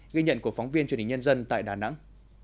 ghi nhận của phóng viên truyền hình nhân dân tại đà nẵng